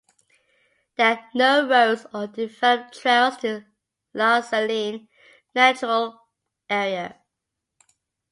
There are no roads or developed trails to La Saline Natural Area.